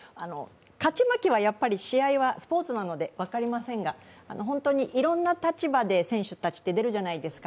勝ち負けは試合はスポーツなので分かりませんが本当にいろんな立場で選手たちって出るじゃないですか。